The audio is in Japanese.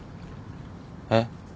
えっ？